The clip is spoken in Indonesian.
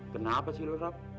kenapa sih lu rob